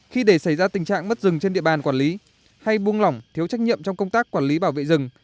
khi để xảy ra tình trạng mất rừng trên địa bàn quản lý hay buông lỏng thiếu trách nhiệm trong công tác quản lý bảo vệ rừng